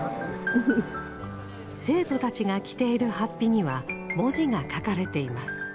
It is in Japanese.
生徒たちが着ている法被には文字が書かれています。